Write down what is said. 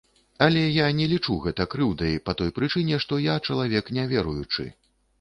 Але я не лічу гэта крыўдай па той прычыне, што я чалавек няверуючы.